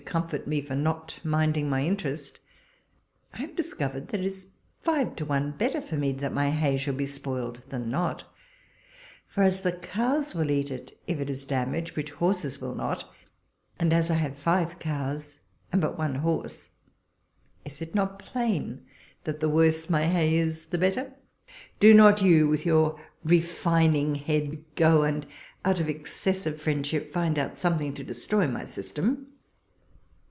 comfort me for not minding my interest, I have discovered that it is five to one better for me that my hay should be spoiled than not ; for, as the cows will eat it if it is damaged, which horses will not, and as I have five cows and but one horse, is not it plain that the worse my hay is the better ? Do not you with your refining head go, and, out of excessive friendship, find out something to destroy my system.